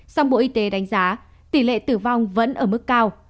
song bộ y tế đánh giá tỷ lệ tử vong vẫn ở mức cao